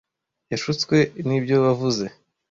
Yashutswe nibyo wavuze.